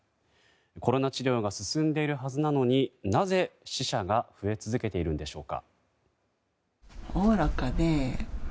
コロナ治療が進んでいるはずなのになぜ死者が増え続けているのでしょうか。